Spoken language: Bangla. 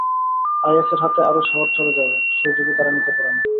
আইএসের হাতে আরও শহর চলে যাবে, সেই ঝুঁকি তারা নিতে পারে না।